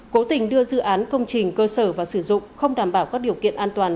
cố tình đưa dự án công trình cơ sở và sử dụng không đảm bảo các điều kiện an toàn